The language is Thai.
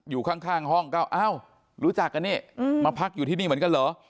อยู่ข้างห้องก็อ้าวรู้จักกันนี่มาพักอยู่ที่นี่เหมือนกันเหรอ